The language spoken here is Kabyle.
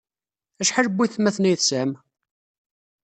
Acḥal n waytmaten ay tesɛam?